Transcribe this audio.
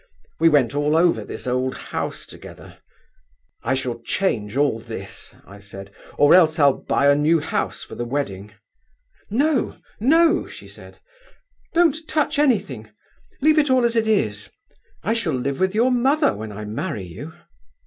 We went all over this old house together. 'I shall change all this,' I said, 'or else I'll buy a new house for the wedding.' 'No, no!' she said, 'don't touch anything; leave it all as it is; I shall live with your mother when I marry you.